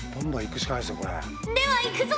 ではいくぞ！